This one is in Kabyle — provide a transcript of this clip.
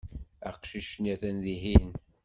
Aqcic-nni atan dihin.